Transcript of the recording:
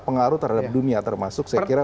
pengaruh terhadap dunia termasuk saya kira